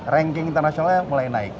ranking internasionalnya mulai naik